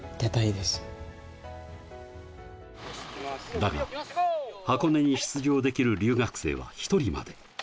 だが、箱根に出場できる留学生は１人まで。